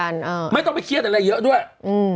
อ่าไม่ต้องไปเครียดอะไรเยอะด้วยอืม